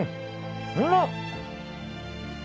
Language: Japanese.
うまっ！